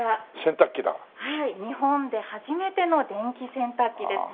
日本で初めての電気洗濯機です。